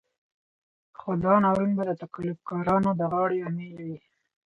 خو دا ناورين به د تقلب کارانو د غاړې امېل وي.